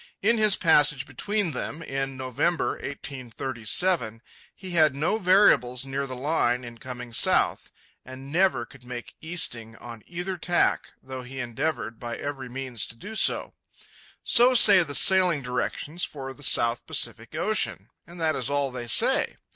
In his passage between them in November, 1837, he had no variables near the line in coming south, and never could make easting on either tack, though he endeavoured by every means to do so. So say the sailing directions for the South Pacific Ocean; and that is all they say.